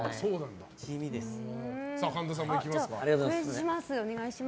神田さん、いきますか。